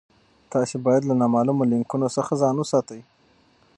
تاسي باید له نامعلومو لینکونو څخه ځان وساتئ.